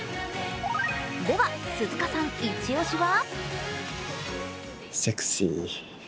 では鈴鹿さんイチ押しは？